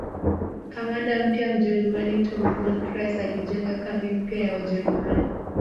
Kamanda mpya Mjerumani Tom Von Prince alijenga kambi mpya ya Wajerumani